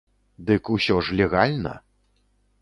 Дык ўсё ж легальна!